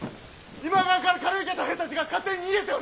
今川から借り受けた兵たちが勝手に逃げておる！